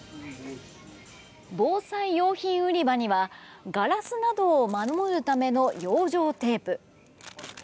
防災用品売り場にはガラスなどを守るための養生テープ。